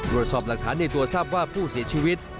ตรวจสอบหลักฐานในตัวทราบว่าผู้เสียชีวิต